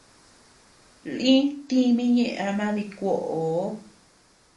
Lï tími ñeʼe ama dikuoʼoo.